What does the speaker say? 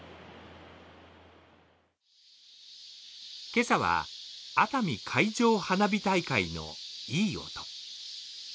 今朝は熱海海上花火大会のいい音。